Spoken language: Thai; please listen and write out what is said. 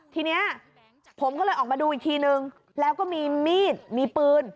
ทีนี้ผมก็เลยออกมาดูอีกทีนึงแล้วก็มีมีดมีปืน